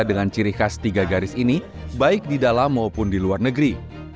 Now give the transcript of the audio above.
dengan ciri khas tiga garis ini baik di dalam maupun di luar negeri